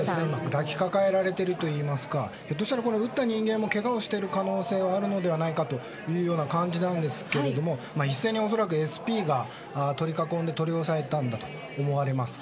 抱きかかえられているといいますかひょっとしたら撃った人間もけがをしている可能性はあるのではないかという感じなんですが、一斉にＳＰが取り囲んで取り押さえたんだと思われます。